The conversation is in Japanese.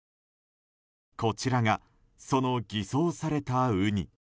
こちらがその偽装されたウニ。